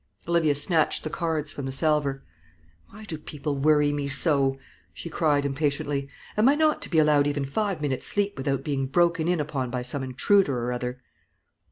Olivia snatched the cards from the salver. "Why do people worry me so?" she cried, impatiently. "Am I not to be allowed even five minutes' sleep without being broken in upon by some intruder or other?"